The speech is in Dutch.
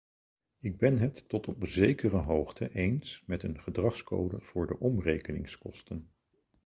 Ik ben het tot op zekere hoogte eens met een gedragscode voor de omrekeningskosten.